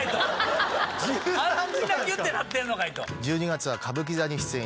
１２月は歌舞伎座に出演いたします。